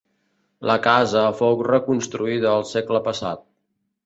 La casa fou reconstruïda el segle passat.